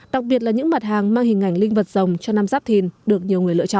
đặc biệt là những mặt hàng mang hình ảnh linh vật rồng cho năm giáp thìn được nhiều người lựa chọn